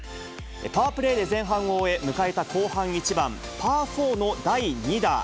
パープレーで前半を終え、迎えた後半１番パー４の第２打。